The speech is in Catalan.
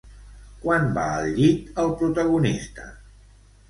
Quan va al llit el protagonista?